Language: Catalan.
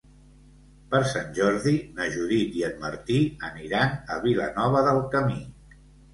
Per Sant Jordi na Judit i en Martí aniran a Vilanova del Camí.